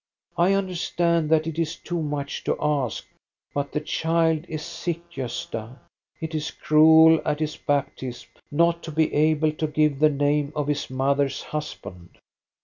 I understand that it is too much to ask; but the child is sick, Gosta. It is cruel at his baptism not to be able to give the name of his mother's husband."